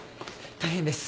大変です。